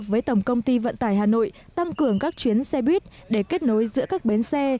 bến đã phối hợp với tổng công ty vận tải hà nội tăng cường các chuyến xe buýt để kết nối giữa các bến xe